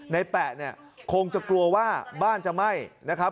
แปะเนี่ยคงจะกลัวว่าบ้านจะไหม้นะครับ